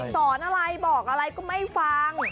สอนอะไรบอกอะไรก็ไม่ฟัง